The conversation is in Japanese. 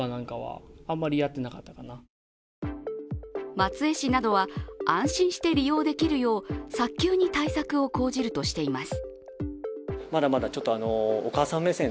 松江市などは、安心して利用できるよう早急に対策を講じるとしています。